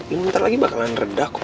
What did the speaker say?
ini bentar lagi bakalan reda kok